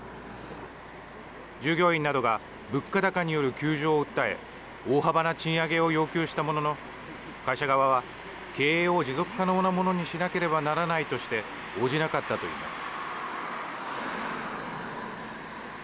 従業員などが物価高による窮状を訴え大幅な賃上げを要求したものの会社側は、経営を持続可能なものにしなければならないとして応じなかったといいます。